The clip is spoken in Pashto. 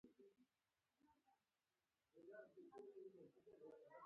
چې د شاه شجاع دور دی زړور شراب وڅښه.